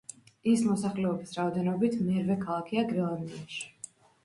ის მოსახლეობის რაოდენობით მერვე ქალაქია გრენლანდიაში.